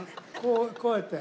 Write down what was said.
こうやって。